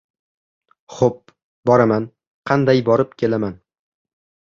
— Xo‘p, boraman, qanday borib kelaman?